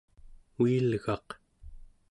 uilgaq